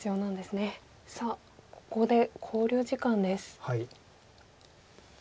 さあここで考慮時間です。